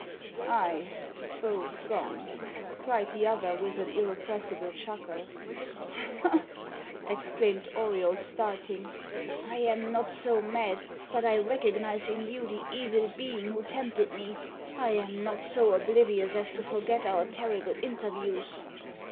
"Ay, both gone," cried the other, with an irrepressible chuckle. "Ha!" exclaimed Auriol, starting. "I am not so mad but I recognise in you the Evil Being who tempted me. I am not so oblivious as to forget our terrible interviews."